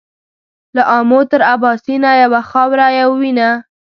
له آمو تر اباسینه یوه خاوره یو وینه